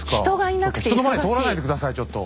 ちょっと人の前通らないで下さいちょっと。